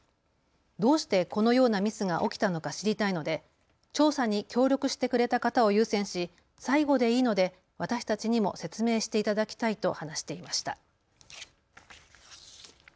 どうしてこのようなミスが起きたのか知りたいので調査に協力してくれた方を優先し最後でいいので私たちにも説明していただきたいと話していました。